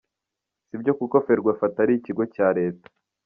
Si byo kuko Ferwafa atari atari ikigo cya leta.